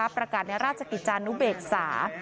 ประกาศในราชกิจจานุเบกษา